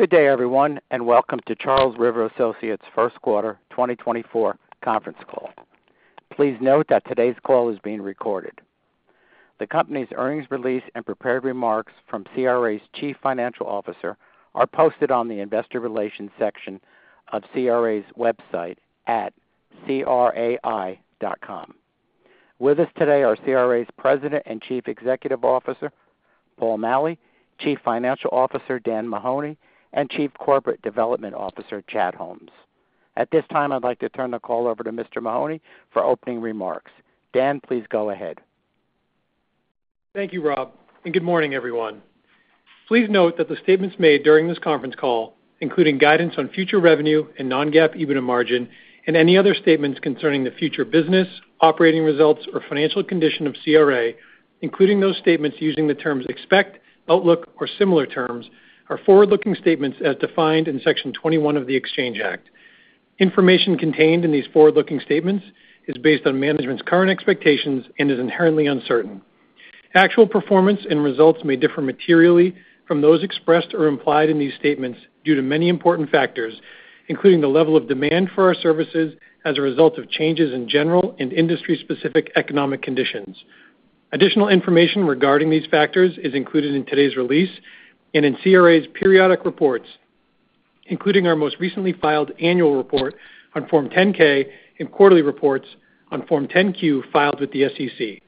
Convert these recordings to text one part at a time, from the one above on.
Good day, everyone, and welcome to Charles River Associates' first quarter 2024 conference call. Please note that today's call is being recorded. The company's earnings release and prepared remarks from CRA's Chief Financial Officer are posted on the Investor Relations section of CRA's website at crai.com. With us today are CRA's President and Chief Executive Officer, Paul Maleh, Chief Financial Officer, Dan Mahoney, and Chief Corporate Development Officer, Chad Holmes. At this time, I'd like to turn the call over to Mr. Mahoney for opening remarks. Dan, please go ahead. Thank you, Rob, and good morning, everyone. Please note that the statements made during this conference call, including guidance on future revenue and non-GAAP EBITDA margin, and any other statements concerning the future business, operating results, or financial condition of CRA, including those statements using the terms expect, outlook, or similar terms, are forward-looking statements as defined in Section 21 of the Exchange Act. Information contained in these forward-looking statements is based on management's current expectations and is inherently uncertain. Actual performance and results may differ materially from those expressed or implied in these statements due to many important factors, including the level of demand for our services as a result of changes in general and industry-specific economic conditions. Additional information regarding these factors is included in today's release and in CRA's periodic reports, including our most recently filed annual report on Form 10-K and quarterly reports on Form 10-Q filed with the SEC.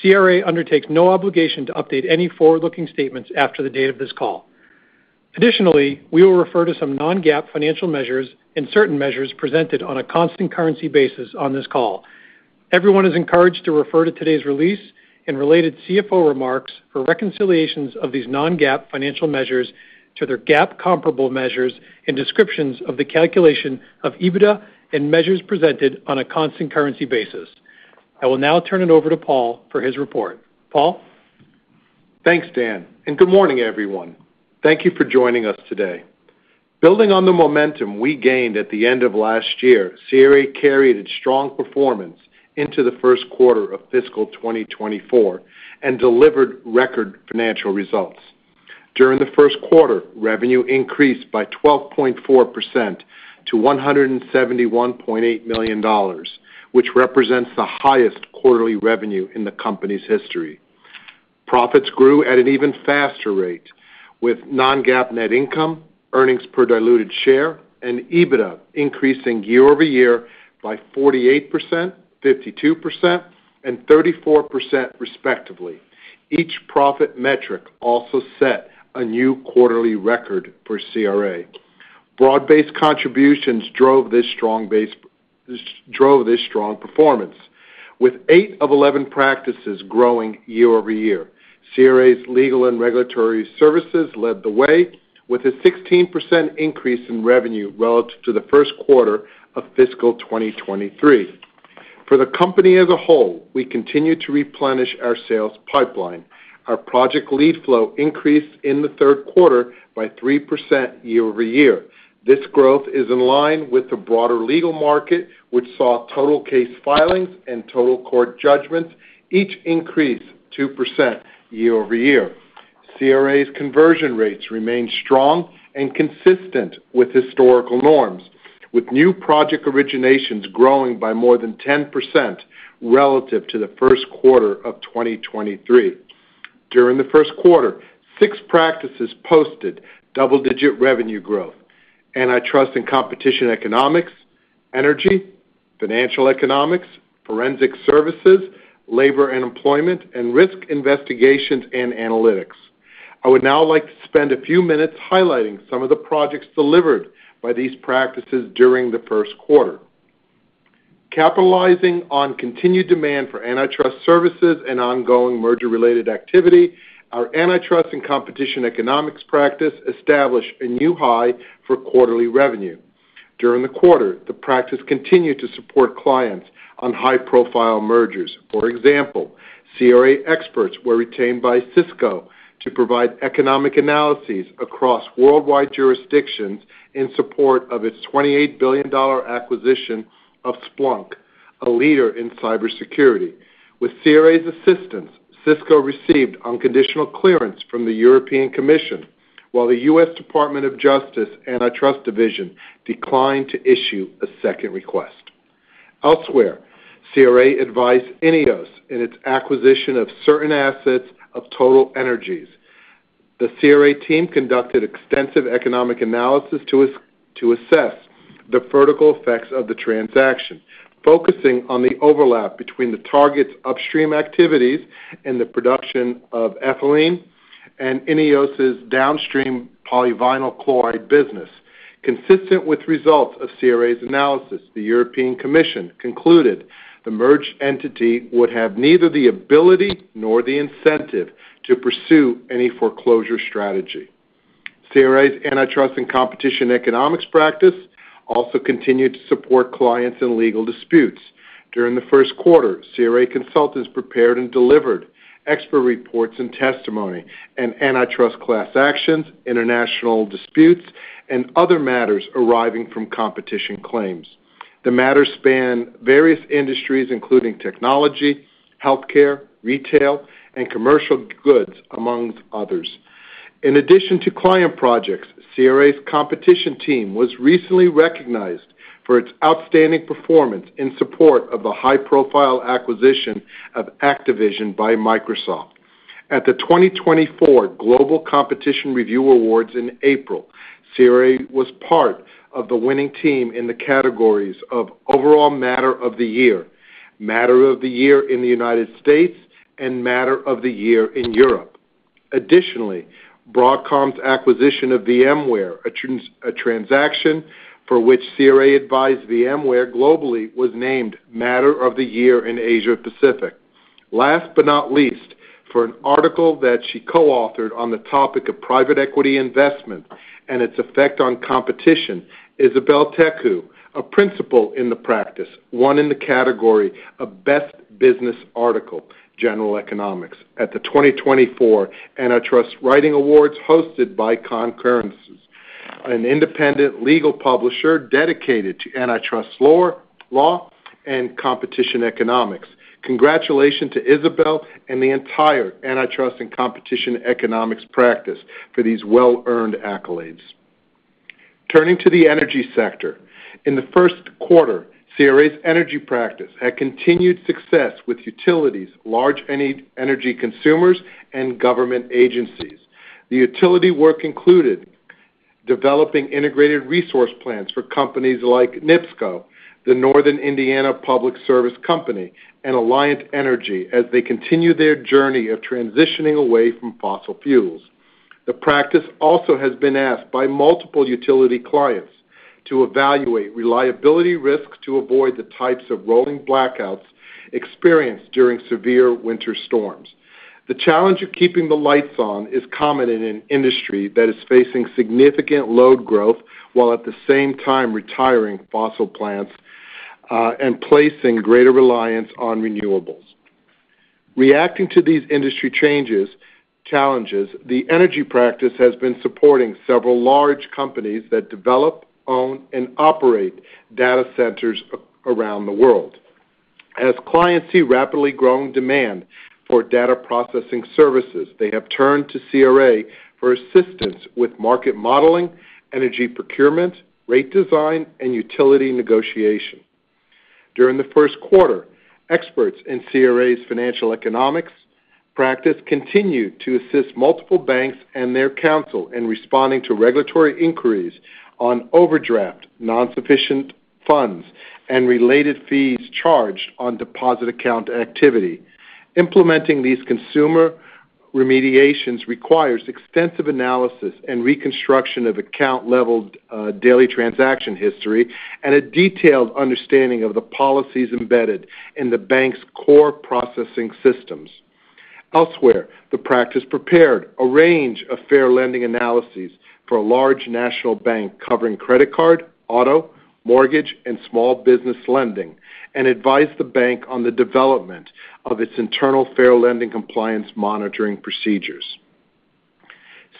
CRA undertakes no obligation to update any forward-looking statements after the date of this call. Additionally, we will refer to some non-GAAP financial measures and certain measures presented on a constant currency basis on this call. Everyone is encouraged to refer to today's release and related CFO remarks for reconciliations of these non-GAAP financial measures to their GAAP-comparable measures and descriptions of the calculation of EBITDA and measures presented on a constant currency basis. I will now turn it over to Paul for his report. Paul? Thanks, Dan, and good morning, everyone. Thank you for joining us today. Building on the momentum we gained at the end of last year, CRA carried its strong performance into the first quarter of fiscal 2024 and delivered record financial results. During the first quarter, revenue increased by 12.4% to $171.8 million, which represents the highest quarterly revenue in the company's history. Profits grew at an even faster rate, with Non-GAAP net income, earnings per diluted share, and EBITDA increasing year over year by 48%, 52%, and 34%, respectively. Each profit metric also set a new quarterly record for CRA. Broad-based contributions drove this strong performance, with eight of 11 practices growing year over year. CRA's Legal and Regulatory Services led the way, with a 16% increase in revenue relative to the first quarter of fiscal 2023. For the company as a whole, we continue to replenish our sales pipeline. Our project lead flow increased in the third quarter by 3% year-over-year. This growth is in line with the broader legal market, which saw total case filings and total court judgments each increase 2% year-over-year. CRA's conversion rates remain strong and consistent with historical norms, with new project originations growing by more than 10% relative to the first quarter of 2023. During the first quarter, six practices posted double-digit revenue growth: Antitrust and Competition Economics, Energy, Financial Economics, Forensic Services, Labor and Employment, and Risk Investigations and Analytics. I would now like to spend a few minutes highlighting some of the projects delivered by these practices during the first quarter. Capitalizing on continued demand for antitrust services and ongoing merger-related activity, our Antitrust and Competition Economics practice established a new high for quarterly revenue. During the quarter, the practice continued to support clients on high-profile mergers. For example, CRA experts were retained by Cisco to provide economic analyses across worldwide jurisdictions in support of its $28 billion acquisition of Splunk, a leader in cybersecurity. With CRA's assistance, Cisco received unconditional clearance from the European Commission, while the US Department of Justice Antitrust Division declined to issue a second request. Elsewhere, CRA advised INEOS in its acquisition of certain assets of TotalEnergies. The CRA team conducted extensive economic analysis to assess the vertical effects of the transaction, focusing on the overlap between the target's upstream activities and the production of ethylene and INEOS' downstream polyvinyl chloride business. Consistent with results of CRA's analysis, the European Commission concluded the merged entity would have neither the ability nor the incentive to pursue any foreclosure strategy. CRA's Antitrust and Competition Economics practice also continued to support clients in legal disputes. During the first quarter, CRA consultants prepared and delivered expert reports and testimony in antitrust class actions, international disputes, and other matters arising from competition claims. The matter span various industries, including technology, healthcare, retail, and commercial goods, among others. In addition to client projects, CRA's competition team was recently recognized for its outstanding performance in support of the high-profile acquisition of Activision by Microsoft. At the 2024 Global Competition Review Awards in April, CRA was part of the winning team in the categories of Overall Matter of the Year, Matter of the Year in the United States, and Matter of the Year in Europe. Additionally, Broadcom's acquisition of VMware, a transaction for which CRA advised VMware globally, was named Matter of the Year in Asia Pacific. Last but not least, for an article that she co-authored on the topic of private equity investment and its effect on competition, Isabel Tecu, a principal in the practice, won in the category of Best Business Article, General Economics, at the 2024 Antitrust Writing Awards hosted by Concurrences, an independent legal publisher dedicated to antitrust law and competition economics. Congratulations to Isabel and the entire Antitrust and Competition Economics practice for these well-earned accolades. Turning to the energy sector, in the first quarter, CRA's energy practice had continued success with utilities, large energy consumers, and government agencies. The utility work included developing integrated resource plans for companies like NIPSCO, the Northern Indiana Public Service Company, and Alliant Energy, as they continue their journey of transitioning away from fossil fuels. The practice also has been asked by multiple utility clients to evaluate reliability risks to avoid the types of rolling blackouts experienced during severe winter storms. The challenge of keeping the lights on is common in an industry that is facing significant load growth, while at the same time retiring fossil plants, and placing greater reliance on renewables. Reacting to these industry changes, challenges, the energy practice has been supporting several large companies that develop, own, and operate data centers around the world. As clients see rapidly growing demand for data processing services, they have turned to CRA for assistance with market modeling, energy procurement, rate design, and utility negotiation. During the first quarter, experts in CRA's financial economics practice continued to assist multiple banks and their counsel in responding to regulatory inquiries on overdraft, non-sufficient funds, and related fees charged on deposit account activity. Implementing these consumer remediations requires extensive analysis and reconstruction of account-level daily transaction history and a detailed understanding of the policies embedded in the bank's core processing systems. Elsewhere, the practice prepared a range of fair lending analyses for a large national bank covering credit card, auto, mortgage, and small business lending, and advised the bank on the development of its internal fair lending compliance monitoring procedures.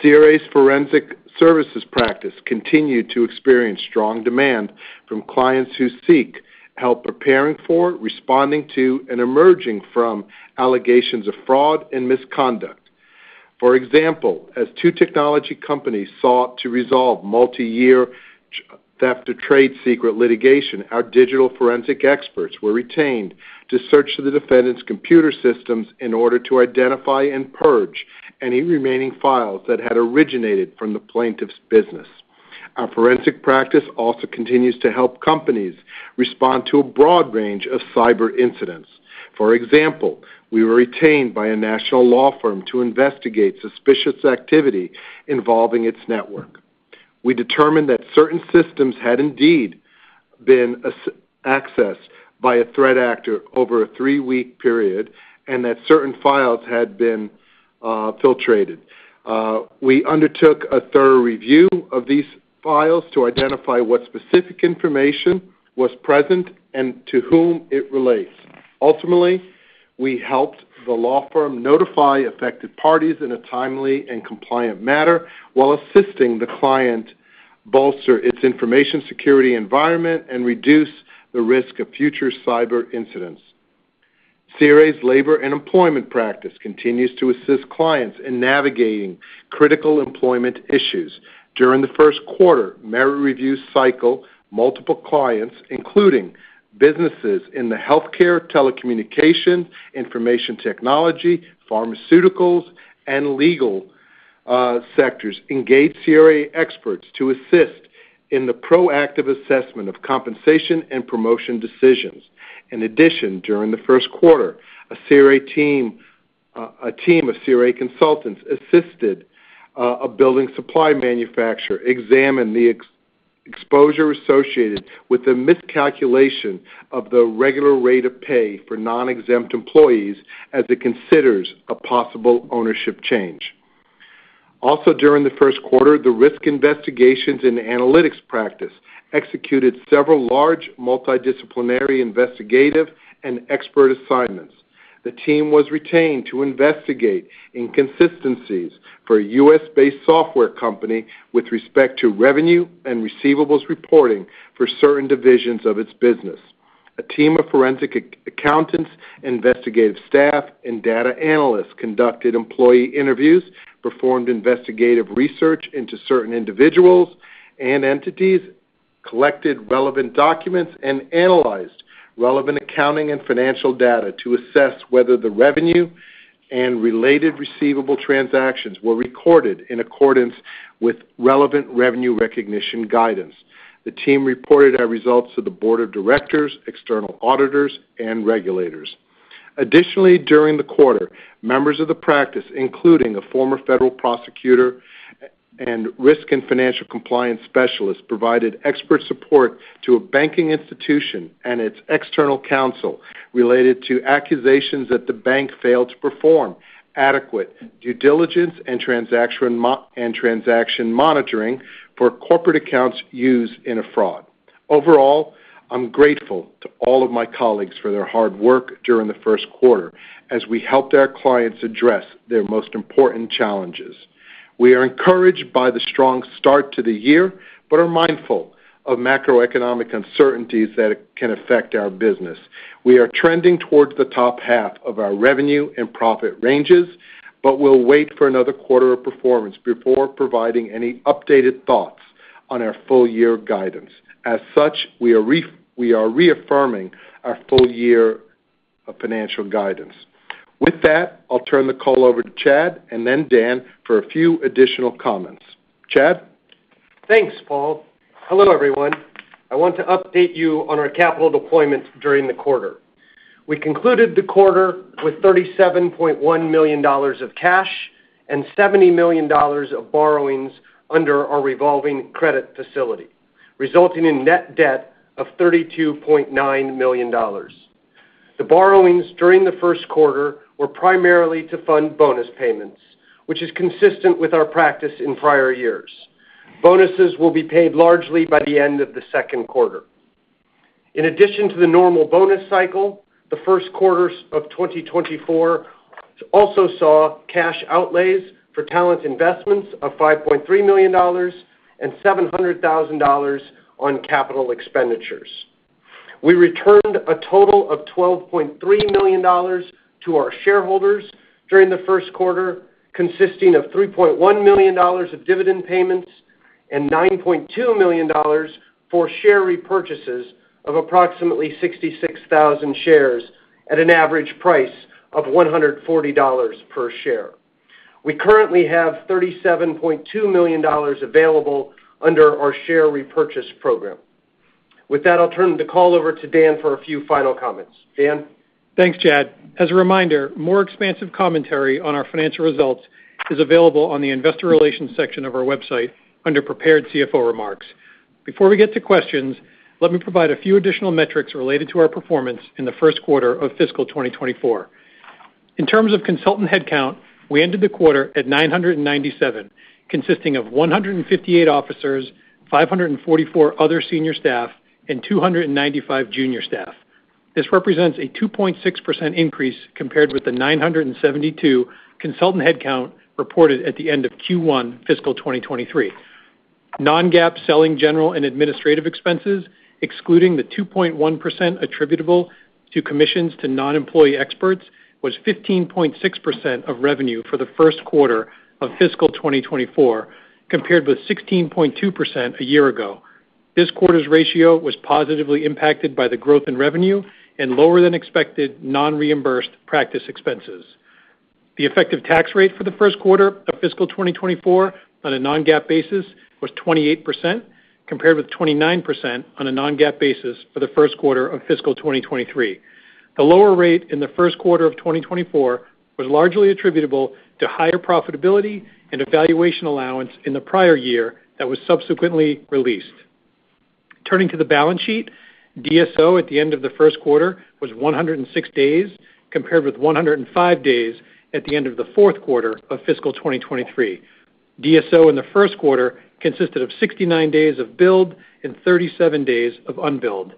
CRA's Forensic Services practice continued to experience strong demand from clients who seek help preparing for, responding to, and emerging from allegations of fraud and misconduct. For example, as two technology companies sought to resolve multi-year theft of trade secret litigation, our digital forensic experts were retained to search the defendant's computer systems in order to identify and purge any remaining files that had originated from the plaintiff's business. Our Forensic Services practice also continues to help companies respond to a broad range of cyber incidents. For example, we were retained by a national law firm to investigate suspicious activity involving its network. We determined that certain systems had indeed been accessed by a threat actor over a three-week period, and that certain files had been exfiltrated. We undertook a thorough review of these files to identify what specific information was present and to whom it relates. Ultimately, we helped the law firm notify affected parties in a timely and compliant manner while assisting the client bolster its information security environment and reduce the risk of future cyber incidents. CRA's labor and employment practice continues to assist clients in navigating critical employment issues. During the first quarter merit review cycle, multiple clients, including businesses in the healthcare, telecommunication, information technology, pharmaceuticals, and legal sectors, engaged CRA experts to assist in the proactive assessment of compensation and promotion decisions. In addition, during the first quarter, a team of CRA consultants assisted a building supply manufacturer examine the exposure associated with the miscalculation of the regular rate of pay for non-exempt employees as it considers a possible ownership change. Also, during the first quarter, the Risk Investigations and Analytics practice executed several large, multidisciplinary, investigative, and expert assignments.... The team was retained to investigate inconsistencies for a U.S.-based software company with respect to revenue and receivables reporting for certain divisions of its business. A team of forensic accountants, investigative staff, and data analysts conducted employee interviews, performed investigative research into certain individuals and entities, collected relevant documents, and analyzed relevant accounting and financial data to assess whether the revenue and related receivable transactions were recorded in accordance with relevant revenue recognition guidance. The team reported our results to the board of directors, external auditors, and regulators. Additionally, during the quarter, members of the practice, including a former federal prosecutor and risk and financial compliance specialist, provided expert support to a banking institution and its external counsel related to accusations that the bank failed to perform adequate due diligence and transaction monitoring for corporate accounts used in a fraud. Overall, I'm grateful to all of my colleagues for their hard work during the first quarter as we helped our clients address their most important challenges. We are encouraged by the strong start to the year, but are mindful of macroeconomic uncertainties that can affect our business. We are trending toward the top half of our revenue and profit ranges, but we'll wait for another quarter of performance before providing any updated thoughts on our full-year guidance. As such, we are reaffirming our full-year financial guidance. With that, I'll turn the call over to Chad and then Dan for a few additional comments. Chad? Thanks, Paul. Hello, everyone. I want to update you on our capital deployments during the quarter. We concluded the quarter with $37.1 million of cash and $70 million of borrowings under our revolving credit facility, resulting in net debt of $32.9 million. The borrowings during the first quarter were primarily to fund bonus payments, which is consistent with our practice in prior years. Bonuses will be paid largely by the end of the second quarter. In addition to the normal bonus cycle, the first quarter of 2024 also saw cash outlays for talent investments of $5.3 million and $700,000 on capital expenditures. We returned a total of $12.3 million to our shareholders during the first quarter, consisting of $3.1 million of dividend payments and $9.2 million for share repurchases of approximately 66,000 shares at an average price of $140 per share. We currently have $37.2 million available under our share repurchase program. With that, I'll turn the call over to Dan for a few final comments. Dan? Thanks, Chad. As a reminder, more expansive commentary on our financial results is available on the investor relations section of our website under Prepared CFO Remarks. Before we get to questions, let me provide a few additional metrics related to our performance in the first quarter of fiscal 2024. In terms of consultant headcount, we ended the quarter at 997, consisting of 158 officers, 544 other senior staff, and 295 junior staff. This represents a 2.6% increase compared with the 972 consultant headcount reported at the end of Q1 fiscal 2023. Non-GAAP selling, general, and administrative expenses, excluding the 2.1% attributable to commissions to non-employee experts, was 15.6% of revenue for the first quarter of fiscal 2024, compared with 16.2% a year ago. This quarter's ratio was positively impacted by the growth in revenue and lower than expected non-reimbursed practice expenses. The effective tax rate for the first quarter of fiscal 2024 on a non-GAAP basis was 28%, compared with 29% on a non-GAAP basis for the first quarter of fiscal 2023. The lower rate in the first quarter of 2024 was largely attributable to higher profitability and a valuation allowance in the prior year that was subsequently released. Turning to the balance sheet, DSO at the end of the first quarter was 106 days, compared with 105 days at the end of the fourth quarter of fiscal 2023. DSO in the first quarter consisted of 69 days of billed and 37 days of unbilled.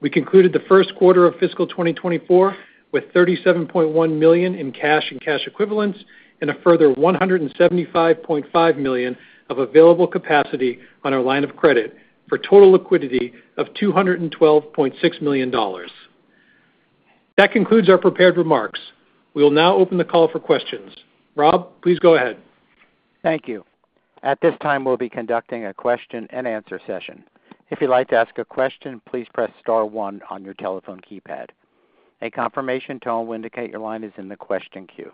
We concluded the first quarter of fiscal 2024 with $37.1 million in cash and cash equivalents, and a further $175.5 million of available capacity on our line of credit, for total liquidity of $212.6 million. That concludes our prepared remarks. We will now open the call for questions. Rob, please go ahead. Thank you. At this time, we'll be conducting a question-and-answer session. If you'd like to ask a question, please press star one on your telephone keypad. A confirmation tone will indicate your line is in the question queue.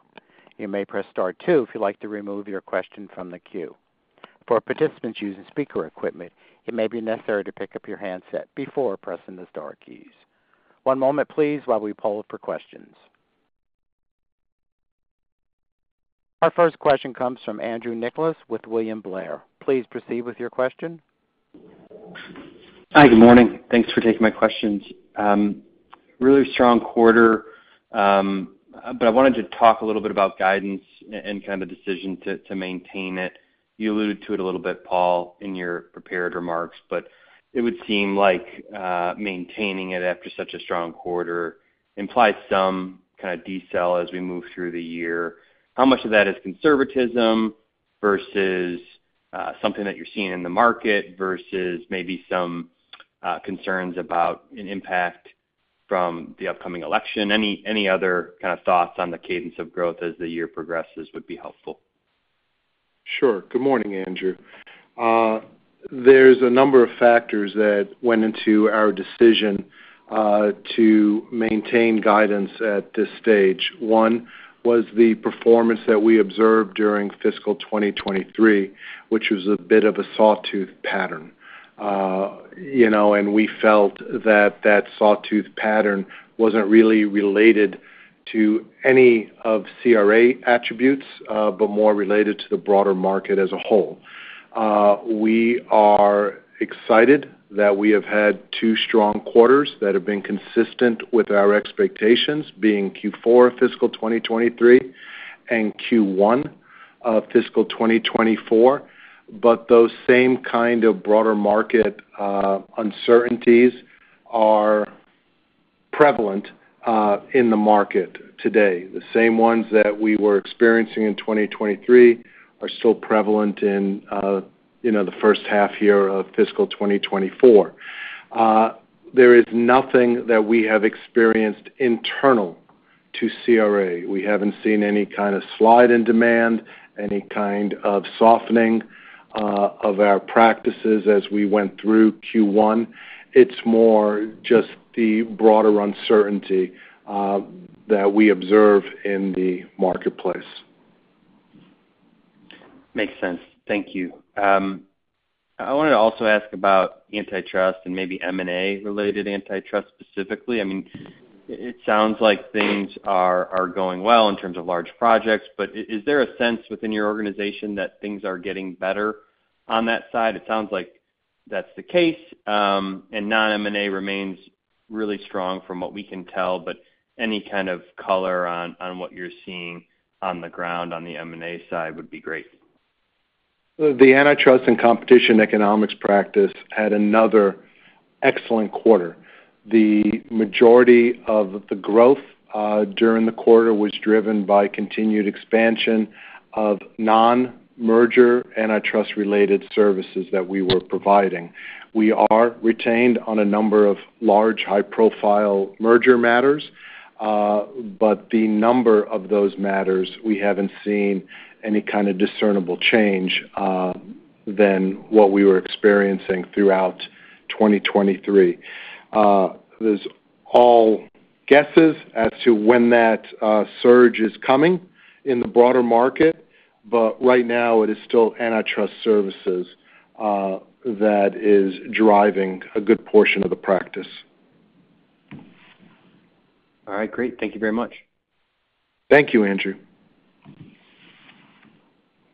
You may press star two if you'd like to remove your question from the queue. For participants using speaker equipment, it may be necessary to pick up your handset before pressing the star keys. One moment, please, while we poll for questions. Our first question comes from Andrew Nicholas with William Blair. Please proceed with your question. Hi, good morning. Thanks for taking my questions. Really strong quarter, but I wanted to talk a little bit about guidance and kind of the decision to maintain it. You alluded to it a little bit, Paul, in your prepared remarks, but it would seem like maintaining it after such a strong quarter implies some kind of decel as we move through the year. How much of that is conservatism versus something that you're seeing in the market versus maybe some concerns about an impact from the upcoming election? Any other kind of thoughts on the cadence of growth as the year progresses would be helpful. Sure. Good morning, Andrew. There's a number of factors that went into our decision to maintain guidance at this stage. One was the performance that we observed during fiscal 2023, which was a bit of a sawtooth pattern. You know, and we felt that that sawtooth pattern wasn't really related to any of CRA attributes, but more related to the broader market as a whole. We are excited that we have had two strong quarters that have been consistent with our expectations, being Q4 fiscal 2023 and Q1 of fiscal 2024, but those same kind of broader market uncertainties are prevalent in the market today. The same ones that we were experiencing in 2023 are still prevalent in, you know, the first half year of fiscal 2024. There is nothing that we have experienced internal to CRA. We haven't seen any kind of slide in demand, any kind of softening, of our practices as we went through Q1. It's more just the broader uncertainty, that we observe in the marketplace. Makes sense. Thank you. I wanted to also ask about antitrust and maybe M&A-related antitrust, specifically. I mean, it sounds like things are going well in terms of large projects, but is there a sense within your organization that things are getting better on that side? It sounds like that's the case, and non-M&A remains really strong from what we can tell, but any kind of color on what you're seeing on the ground on the M&A side would be great. The Antitrust and Competition Economics practice had another excellent quarter. The majority of the growth during the quarter was driven by continued expansion of non-merger, antitrust-related services that we were providing. We are retained on a number of large, high-profile merger matters, but the number of those matters, we haven't seen any kind of discernible change than what we were experiencing throughout 2023. There's all guesses as to when that surge is coming in the broader market, but right now, it is still antitrust services that is driving a good portion of the practice. All right, great. Thank you very much. Thank you, Andrew.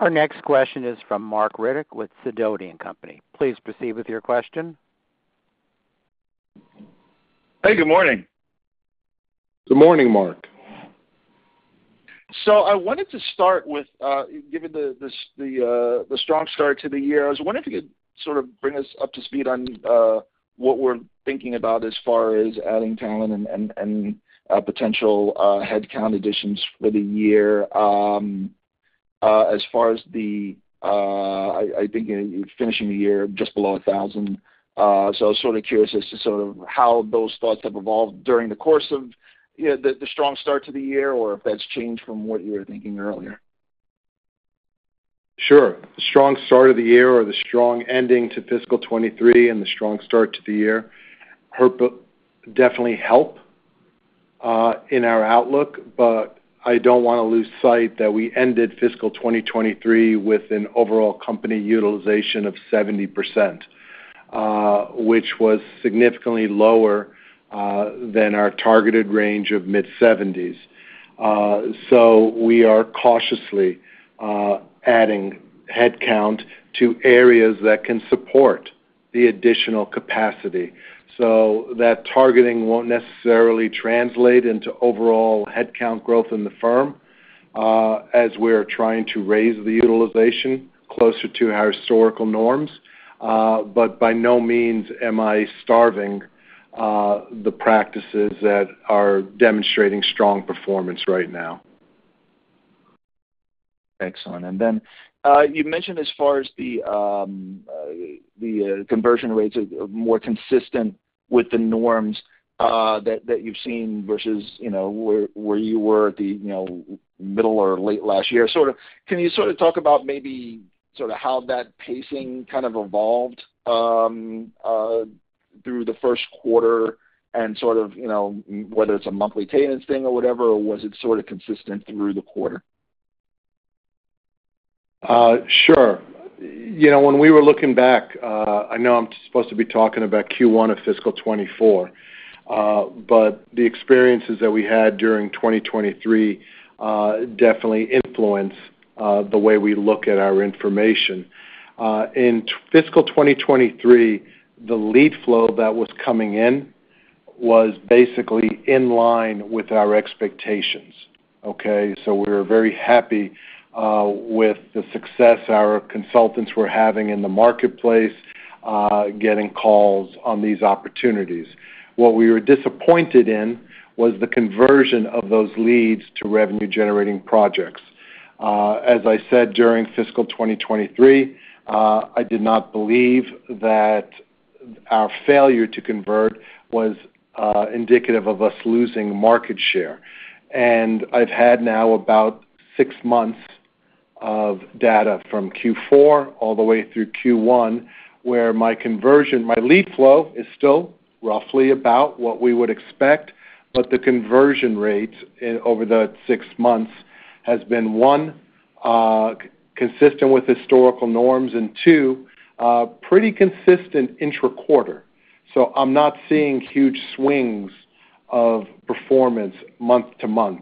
Our next question is from Marc Riddick with Sidoti & Company. Please proceed with your question. Hey, good morning. Good morning, Marc. So I wanted to start with, given the strong start to the year, I was wondering if you could sort of bring us up to speed on what we're thinking about as far as adding talent and potential headcount additions for the year. As far as I think you're finishing the year just below 1,000. So I was sort of curious as to sort of how those thoughts have evolved during the course of, you know, the strong start to the year, or if that's changed from what you were thinking earlier. Sure. The strong start of the year or the strong ending to fiscal 2023 and the strong start to the year definitely help in our outlook, but I don't wanna lose sight that we ended fiscal 2023 with an overall company utilization of 70%, which was significantly lower than our targeted range of mid-70%s. So we are cautiously adding headcount to areas that can support the additional capacity. So that targeting won't necessarily translate into overall headcount growth in the firm, as we're trying to raise the utilization closer to our historical norms. But by no means am I starving the practices that are demonstrating strong performance right now. Excellent. And then, you mentioned as far as the conversion rates are more consistent with the norms that you've seen versus, you know, where you were at the, you know, middle or late last year. Sort of. Can you sort of talk about maybe sort of how that pacing kind of evolved through the first quarter and sort of, you know, whether it's a monthly cadence thing or whatever, or was it sort of consistent through the quarter? Sure. You know, when we were looking back, I know I'm supposed to be talking about Q1 of fiscal 2024, but the experiences that we had during 2023, definitely influence the way we look at our information. In fiscal 2023, the lead flow that was coming in was basically in line with our expectations, okay? So we're very happy with the success our consultants were having in the marketplace... getting calls on these opportunities. What we were disappointed in was the conversion of those leads to revenue-generating projects. As I said, during fiscal 2023, I did not believe that our failure to convert was indicative of us losing market share. I've had now about six months of data from Q4 all the way through Q1, where my conversion, my lead flow is still roughly about what we would expect, but the conversion rate over the six months has been, one, consistent with historical norms, and two, pretty consistent intra-quarter. So I'm not seeing huge swings of performance month to month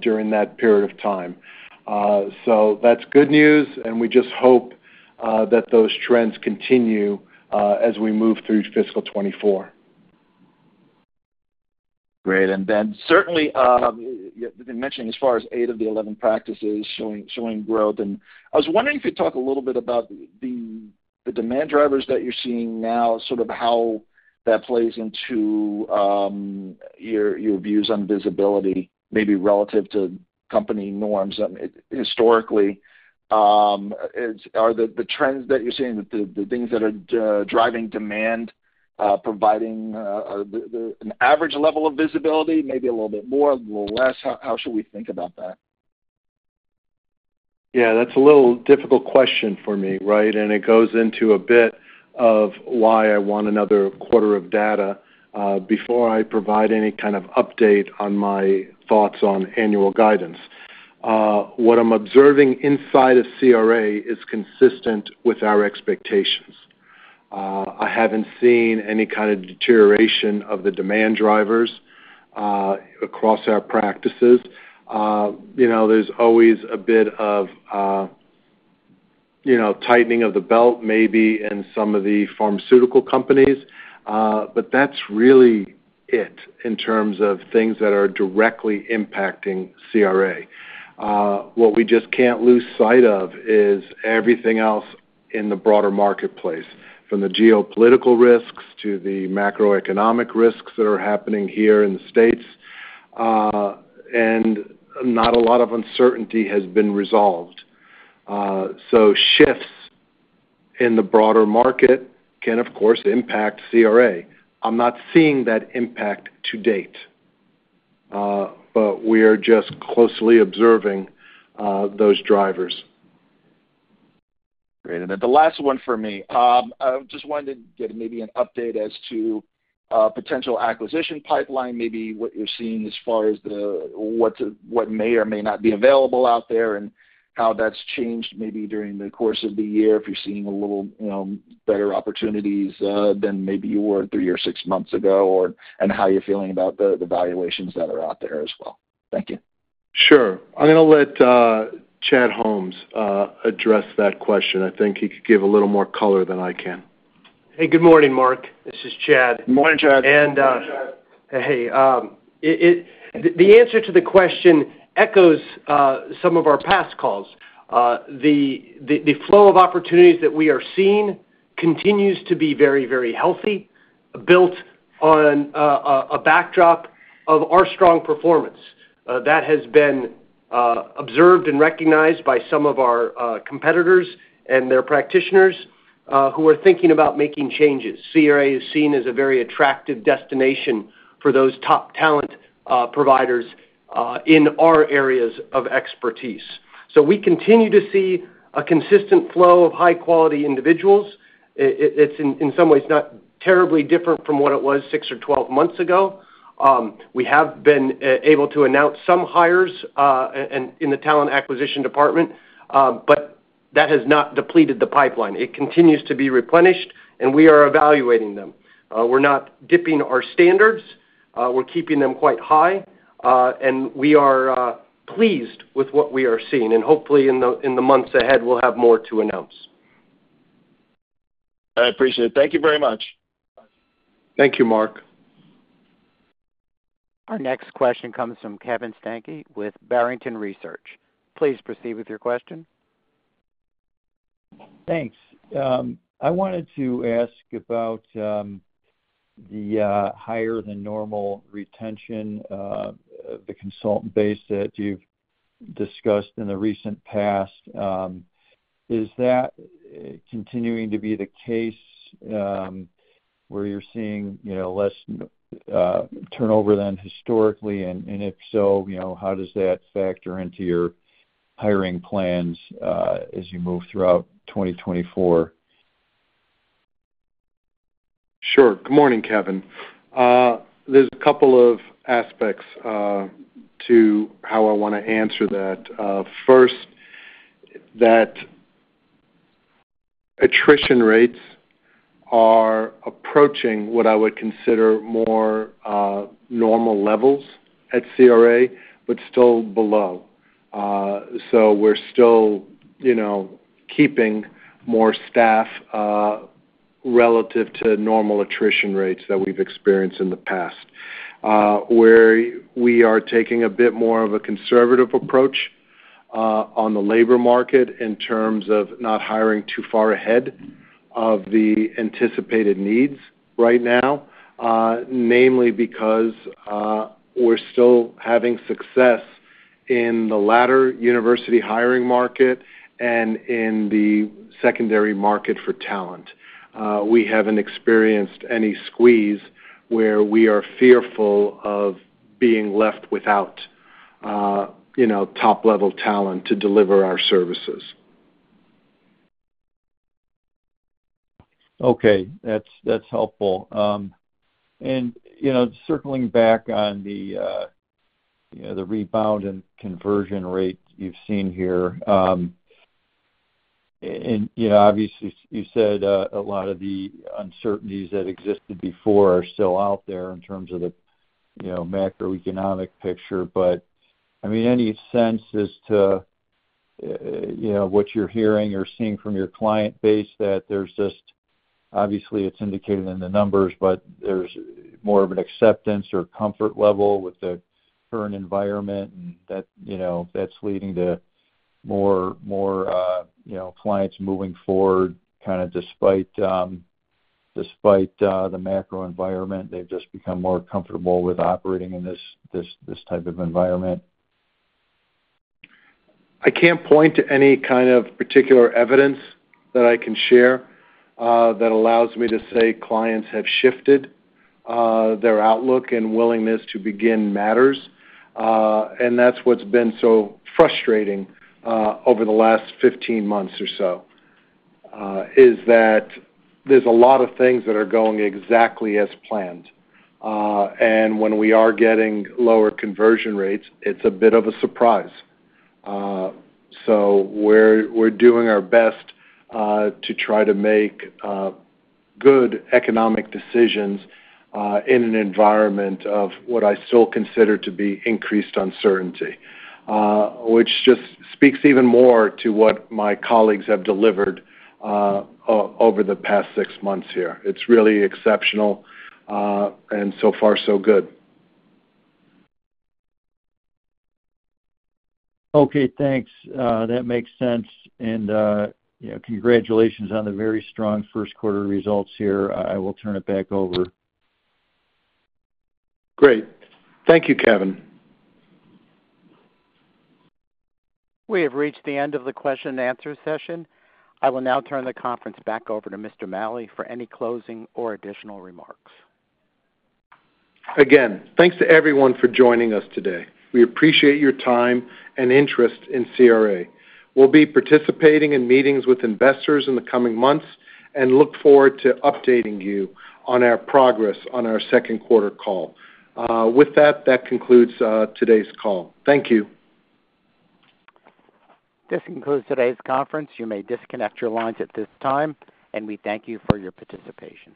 during that period of time. So that's good news, and we just hope that those trends continue as we move through fiscal 2024. Great. And then, certainly, you've been mentioning as far as eight of the 11 practices showing growth, and I was wondering if you'd talk a little bit about the demand drivers that you're seeing now, sort of how that plays into your views on visibility, maybe relative to company norms. I mean, historically, are the trends that you're seeing, the things that are driving demand, providing an average level of visibility, maybe a little bit more, a little less? How should we think about that? Yeah, that's a little difficult question for me, right? And it goes into a bit of why I want another quarter of data, before I provide any kind of update on my thoughts on annual guidance. What I'm observing inside of CRA is consistent with our expectations. I haven't seen any kind of deterioration of the demand drivers, across our practices. You know, there's always a bit of, you know, tightening of the belt, maybe in some of the pharmaceutical companies, but that's really it in terms of things that are directly impacting CRA. What we just can't lose sight of is everything else in the broader marketplace, from the geopolitical risks to the macroeconomic risks that are happening here in the States, and not a lot of uncertainty has been resolved. So shifts in the broader market can, of course, impact CRA. I'm not seeing that impact to date, but we are just closely observing those drivers. Great. And then the last one for me. I just wanted to get maybe an update as to potential acquisition pipeline, maybe what you're seeing as far as the what may or may not be available out there, and how that's changed, maybe during the course of the year, if you're seeing a little, you know, better opportunities than maybe you were three or six months ago, or and how you're feeling about the valuations that are out there as well. Thank you. Sure. I'm gonna let, Chad Holmes, address that question. I think he could give a little more color than I can. Hey, good morning, Marc. This is Chad. Good morning, Chad. The answer to the question echoes some of our past calls. The flow of opportunities that we are seeing continues to be very, very healthy, built on a backdrop of our strong performance. That has been observed and recognized by some of our competitors and their practitioners who are thinking about making changes. CRA is seen as a very attractive destination for those top talent providers in our areas of expertise. So we continue to see a consistent flow of high-quality individuals. It's in some ways not terribly different from what it was six or 12 months ago. We have been able to announce some hires in the talent acquisition department, but that has not depleted the pipeline. It continues to be replenished, and we are evaluating them. We're not dipping our standards, we're keeping them quite high, and we are pleased with what we are seeing. Hopefully, in the months ahead, we'll have more to announce. I appreciate it. Thank you very much. Thank you, Marc. Our next question comes from Kevin Steinke with Barrington Research. Please proceed with your question. Thanks. I wanted to ask about the higher-than-normal retention the consultant base that you've discussed in the recent past. Is that continuing to be the case where you're seeing, you know, less turnover than historically? And if so, you know, how does that factor into your hiring plans as you move throughout 2024? Sure. Good morning, Kevin. There's a couple of aspects to how I wanna answer that. First, that attrition rates are approaching what I would consider more normal levels at CRA, but still below. So we're still, you know, keeping more staff relative to normal attrition rates that we've experienced in the past. Where we are taking a bit more of a conservative approach on the labor market in terms of not hiring too far ahead of the anticipated needs right now, mainly because we're still having success in the latter university hiring market and in the secondary market for talent. We haven't experienced any squeeze where we are fearful of being left without, you know, top-level talent to deliver our services. Okay, that's, that's helpful. And, you know, circling back on the, you know, the rebound in conversion rate you've seen here. And, you know, obviously, you said, a lot of the uncertainties that existed before are still out there in terms of the, you know, macroeconomic picture. But, I mean, any sense as to, you know, what you're hearing or seeing from your client base that there's just, obviously, it's indicated in the numbers, but there's more of an acceptance or comfort level with the current environment, and that, you know, that's leading to more, more, you know, clients moving forward, kinda despite, despite, the macro environment, they've just become more comfortable with operating in this, this, this type of environment? I can't point to any kind of particular evidence that I can share that allows me to say clients have shifted their outlook and willingness to begin matters. And that's what's been so frustrating over the last 15 months or so is that there's a lot of things that are going exactly as planned. And when we are getting lower conversion rates, it's a bit of a surprise. So we're doing our best to try to make good economic decisions in an environment of what I still consider to be increased uncertainty. Which just speaks even more to what my colleagues have delivered over the past six months here. It's really exceptional, and so far, so good. Okay, thanks. That makes sense. And, you know, congratulations on the very strong first quarter results here. I, I will turn it back over. Great. Thank you, Kevin. We have reached the end of the question-and-answer session. I will now turn the conference back over to Mr. Maleh for any closing or additional remarks. Again, thanks to everyone for joining us today. We appreciate your time and interest in CRA. We'll be participating in meetings with investors in the coming months, and look forward to updating you on our progress on our second quarter call. With that, that concludes today's call. Thank you. This concludes today's conference. You may disconnect your lines at this time, and we thank you for your participation.